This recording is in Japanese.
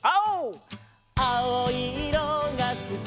「あおいいろがすき」